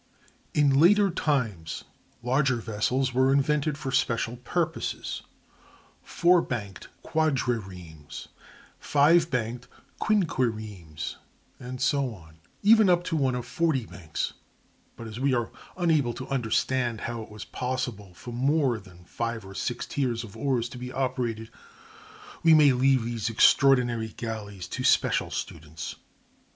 In later times larger vessels were invented for special purposes—four banked (quadriremes), five banked (quinquiremes), and so on, even up to one of forty banks; but as we are unable to understand how it was possible for more than five or six tiers of oars to be operated, we may leave these extraordinary galleys to special students.